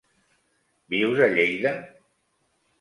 Vius a Lleida?